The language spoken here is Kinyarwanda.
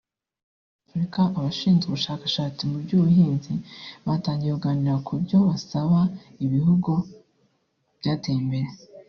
Ku rwego rw’Afurika abashinzwe ubushakashatsi mu by’ubuhinzi batangiye kuganira ku byo bazasaba ibihugu byateye imbere